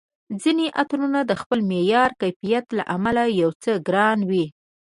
ځیني عطرونه د خپل معیار، کیفیت له امله یو څه ګران وي